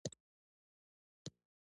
• ونه د انسانانو د ګټې لپاره ده.